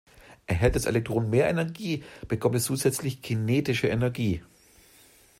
Erhält das Elektron mehr Energie, bekommt es zusätzlich kinetische Energie.